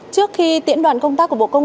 trước khi tiễn đoàn công tác của bộ công an